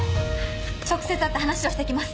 直接会って話をして来ます。